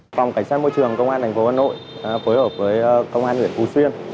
phòng cảnh sát môi trường công an tp hà nội phối hợp với công an huyện phú xuyên